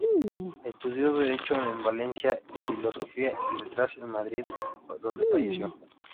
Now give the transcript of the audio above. Estudió Derecho en Valencia y Filosofía y Letras en Madrid, donde falleció.